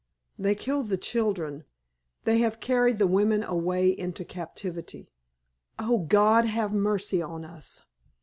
"They killed the children. They have carried the women away into captivity." "Oh, God, have mercy on us!"